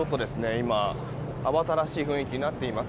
今、慌ただしい雰囲気になっています。